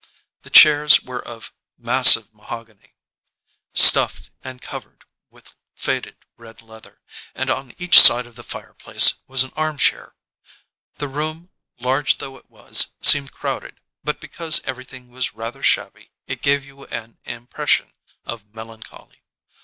The chairs were of massive mahogany, stuffed, and covered with faded red leather, and on each side of the fireplace was an arm chair. The room, large though it was, seemed crowded, but because 111 ON A CHINESE SCREEN everything was rather shabby it gave you an im pression of melancholy.